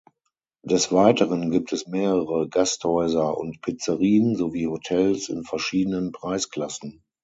Des Weiteren gibt es mehrere Gasthäuser und Pizzerien sowie Hotels in verschiedenen Preisklassen.